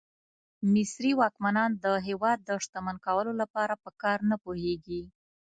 مصري واکمنان د هېواد د شتمن کولو لپاره په کار نه پوهېږي.